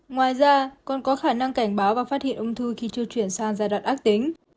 ngoài ra còn có khả năng cảnh báo và phát hiện ung thư khi chưa chuyển sang giai đoạn ác tính